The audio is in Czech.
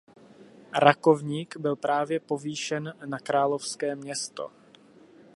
Rakovník byl právě povýšen na královské město.